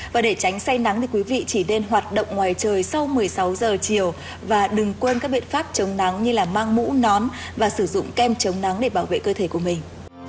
và để tránh say nắng thì quý vị chỉ nên hoạt động ngoài trời sau một mươi sáu giờ chiều và đừng quên các biện pháp chống nắng như là mang mũ nón và sử dụng kem chống nắng để bảo vệ cơ thể của mình